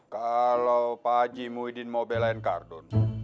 kalau pak eji muhyiddin mau belain kardun